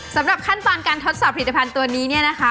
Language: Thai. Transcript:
สำหรับขั้นตอนการทดสอบผลิตภัณฑ์ตัวนี้เนี่ยนะคะ